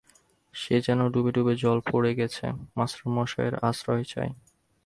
সে যেন ডুব-জলে পড়ে গেছে, মাস্টারমশায়ের আশ্রয় চায়।